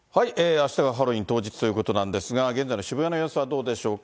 あしたがハロウィーン当日ということなんですが、現在の渋谷の様子はどうでしょうか。